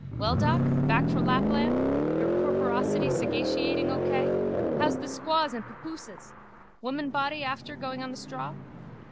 Well, doc? Back fro Lapland? Your corporosity sagaciating O K? How's the squaws and papooses? Womanbody after going on the straw?